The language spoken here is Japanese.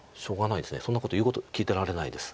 そんなこと言うこと聞いてられないです。